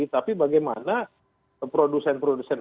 tapi bagaimana produsen produsen